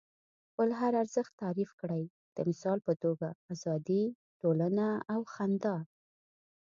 خپل هر ارزښت تعریف کړئ. د مثال په توګه ازادي، ټولنه او خندا.